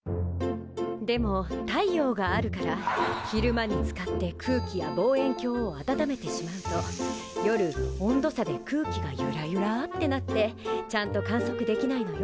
でも太陽があるから昼間に使って空気や望遠鏡を温めてしまうと夜温度差で空気がゆらゆらってなってちゃんと観測できないのよ